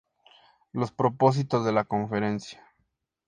Los propósitos de la Conferencia